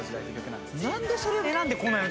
なんでそれを選んでこない。